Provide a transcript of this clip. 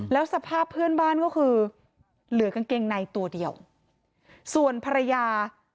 แล้วสภาพเพื่อนบ้านก็คือเหลือกางเกงในตัวเดียวส่วนภรรยา